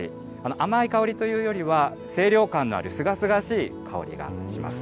甘い香りというよりは、清涼感のあるすがすがしい香りがします。